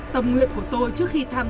tầm nguyện của tôi trước khi tham mô